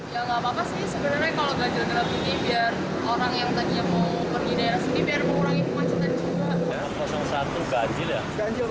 ya nggak apa apa sih sebenarnya kalau ganjil genap ini biar orang yang tadinya mau pergi daerah sini biar mengurangi kemacetan juga